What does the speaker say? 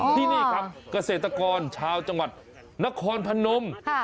ที่นี่ครับเกษตรกรชาวจังหวัดนครพนม